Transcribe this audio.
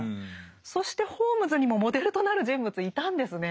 そしてホームズにもモデルとなる人物いたんですね。